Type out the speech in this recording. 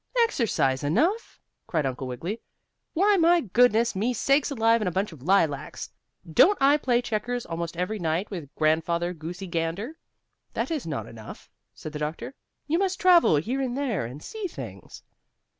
"Exercise enough!" cried Uncle Wiggily. "Why, my goodness me sakes alive and a bunch of lilacs! Don't I play checkers almost every night with Grandfather Goosey Gander?" "That is not enough," said the doctor, "you must travel here and there, and see things."